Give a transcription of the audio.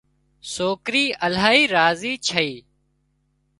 سوڪرِي الاهي راضي ڇئي